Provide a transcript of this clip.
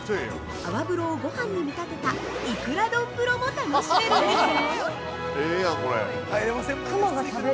泡風呂をごはんに見立てた「いくら丼風呂」も楽しめるんですよ。